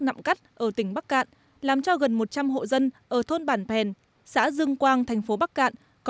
nạm cắt ở tỉnh bắc cạn làm cho gần một trăm linh hộ dân ở thôn bản pèn xã dương quang thành phố bắc cạn có